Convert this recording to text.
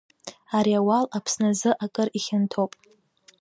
Ари ауал Аԥсны азы акыр ихьанҭоуп.